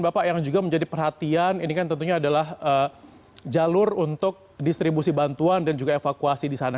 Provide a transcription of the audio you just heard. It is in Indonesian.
bapak yang juga menjadi perhatian ini kan tentunya adalah jalur untuk distribusi bantuan dan juga evakuasi di sana